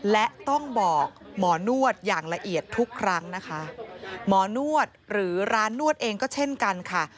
และต้องบอกหมอนวดอย่างละเอียดทุกครั้งนะคะหมอนวดหรือร้านนวดเองก็เช่นกันค่ะ